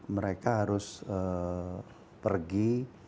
mereka harus pergi